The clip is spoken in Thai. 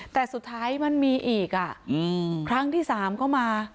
แต่สุดท้ายมันมีอีกครั้งที่สามก็มา